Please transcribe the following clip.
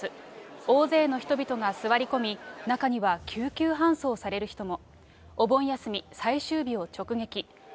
大勢の人々が座り込み、中には救急搬送される人も。